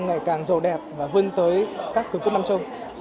ngày càng giàu đẹp và vươn tới các cường quốc nam châu